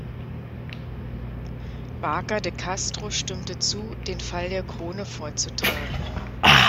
Vaca de Castro stimmte zu, den Fall der Krone vorzutragen.